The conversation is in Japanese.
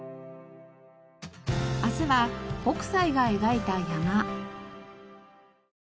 明日は北斎が描いた山。